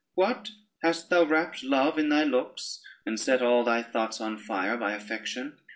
What, hast thou wrapt love in thy looks, and set all thy thoughts on fire by affection?